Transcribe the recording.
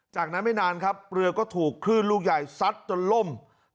จากนั้นไม่นานครับเรือก็ถูกคลื่นลูกใหญ่ซัดจนล่ม